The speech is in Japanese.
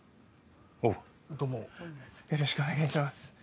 おうどうもよろしくお願いします